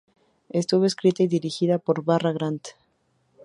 Estuvo escrita y dirigida por Barra Grant.